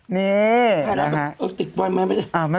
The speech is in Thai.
นี่นะคะ